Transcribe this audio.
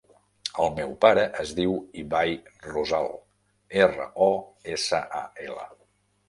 El meu pare es diu Ibai Rosal: erra, o, essa, a, ela.